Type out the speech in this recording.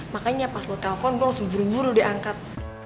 makanya pas lo telfon gua langsung buru buru diangkat